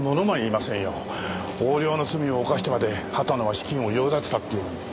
横領の罪を犯してまで畑野は資金を用立てたっていうのに。